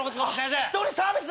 １人サービス？